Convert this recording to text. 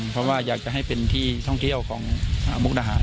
เพราะว่าอยากจะให้เป็นที่ท่องเที่ยวของมุกดาหาร